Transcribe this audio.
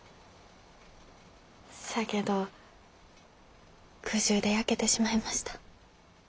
しゃあけど空襲で焼けてしまいました。